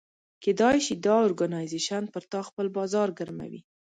کېدای شي دا اورګنایزیش پر تا خپل بازار ګرموي.